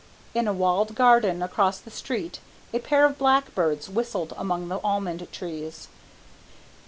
In a walled garden across the street a pair of blackbirds whistled among the almond trees.